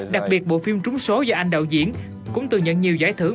đặc biệt bộ phim trúng số do anh đạo diễn cũng tự nhận nhiều giải thưởng